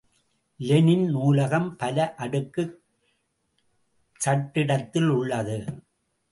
Lenin நூலகம் பல அடுக்குக் சட்டிடத்தில் உள்ளது.